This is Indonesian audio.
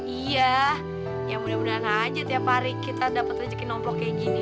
iya ya mudah mudahan aja tiap hari kita dapat rezeki nomplok kayak gini